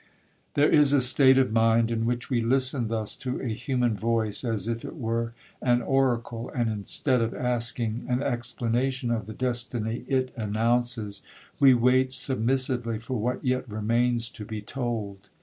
'There is a state of mind in which we listen thus to a human voice as if it were an oracle,—and instead of asking an explanation of the destiny it announces, we wait submissively for what yet remains to be told.